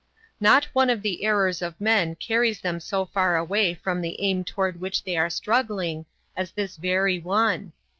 Not one of the errors of men carries them so far away from the aim toward which they are struggling as this very one.